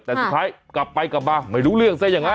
แต่สุดท้ายกลับไปกลับมาไม่รู้เรื่องซะอย่างนั้น